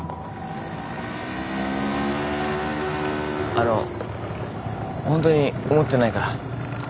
あのホントに思ってないから。